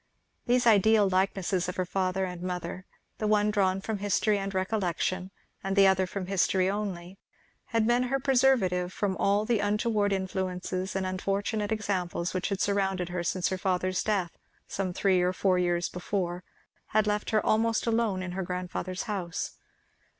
These ideal likenesses of her father and mother, the one drawn from history and recollection, the other from history only, had been her preservative from all the untoward influences and unfortunate examples which had surrounded her since her father's death some three or four years before had left her almost alone in her grandfather's house.